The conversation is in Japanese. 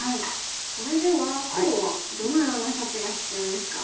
それでは黒はどのような処置が必要ですか？